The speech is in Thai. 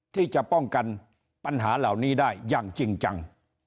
ที่จะป้องกันปัญหาเหล่านี้ได้อย่างจริงจัง